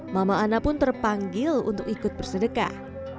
mama ana pun terpanggil untuk ikut bersedekah